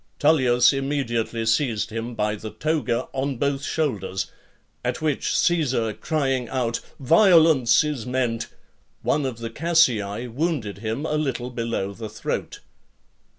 Tullius immediately seized him by the toga, on both shoulders; at which Caesar crying out, "Violence is meant!" one of the Cassii wounded him a little below the throat.